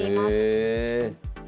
へえ。